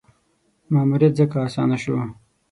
ماموریت ځکه اسانه شو.